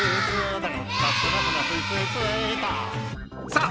さあ